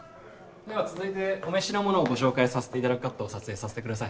では続いてお召しのものをご紹介させていただくカットを撮影させてください。